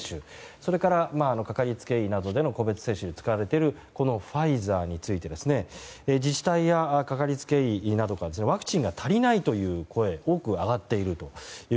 それからかかりつけ医などの個別接種に使われているファイザーについてですね。自治体やかかりつけ医からはワクチンが足りないという声が多く上がっていると。